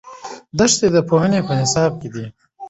دښتې د پوهنې په نصاب کې دي.